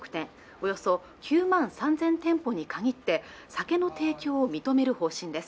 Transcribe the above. およそ９万３０００店舗に限って酒の提供を認める方針です